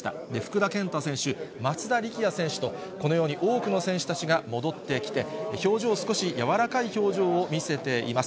福田健太選手、松田力也選手と、このように多くの選手たちが戻ってきて、表情、少し柔らかい表情を見せています。